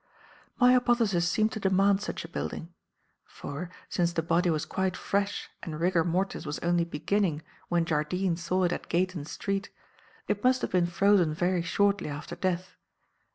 "My hypothesis seemed to demand such a building. For, since the body was quite fresh and rigor mortis was only beginning when Jardine saw it at Gayton Street, it must have been frozen very shortly after death.